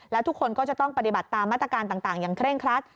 แล้วทุกคนก็จะต้องปฏิบัติตามมาตรการต่างอย่างเคร่งครัด